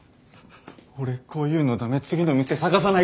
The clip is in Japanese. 俺こういうの駄目次の店探さないと。